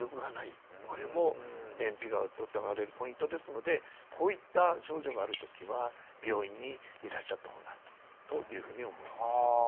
これも便秘が疑われるポイントですのでこういった症状がある時は病院にいらっしゃった方がというふうに思います。